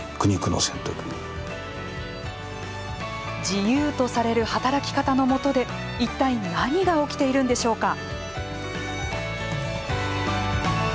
自由とされる働き方のもとで一体何が起きているんでしょうか。